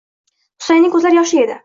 Xusayinning ko'zlari yoshli edi.